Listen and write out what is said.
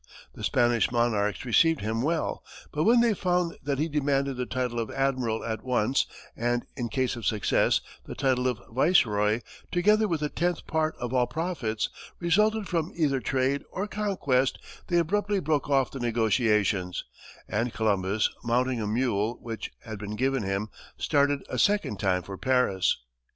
The Spanish monarchs received him well, but when they found that he demanded the title of admiral at once, and, in case of success, the title of viceroy, together with a tenth part of all profits resulting from either trade or conquest, they abruptly broke off the negotiations, and Columbus, mounting a mule which had been given him, started a second time for Paris.